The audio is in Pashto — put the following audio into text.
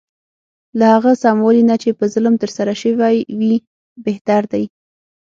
له هغه سموالي نه چې په ظلم ترسره شوی وي بهتر دی.